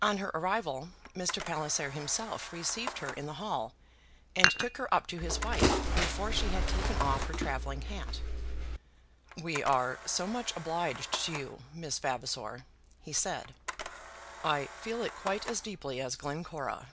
On her arrival Mr. Palliser himself received her in the hall, and took her up to his wife before she had taken off her travelling hat. "We are so much obliged to you, Miss Vavasor," he said. "I feel it quite as deeply as Glencora."